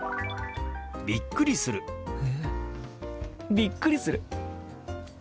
びっくりする。